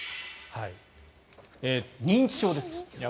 認知症です。